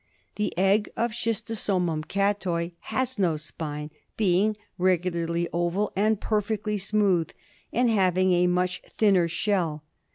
The egg of S. cattoi has no spine, being regularly oval and perfectly smooth, and having a much thinner shell.